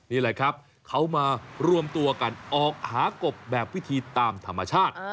นี่แหละครับเขามารวมตัวกันออกหากบแบบพิธีตามธรรมชาติ